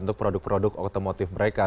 untuk produk produk otomotif mereka